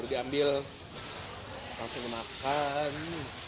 sudah diambil langsung dimakan